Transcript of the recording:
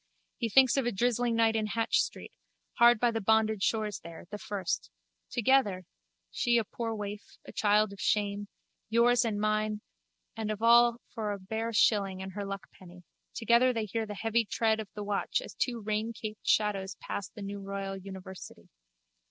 He thinks of a drizzling night in Hatch street, hard by the bonded stores there, the first. Together (she is a poor waif, a child of shame, yours and mine and of all for a bare shilling and her luckpenny), together they hear the heavy tread of the watch as two raincaped shadows pass the new royal university.